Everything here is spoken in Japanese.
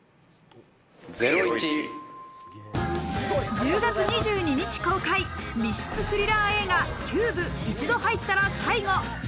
１０月２２日公開、密室スリラー映画『ＣＵＢＥ一度入ったら、最後』。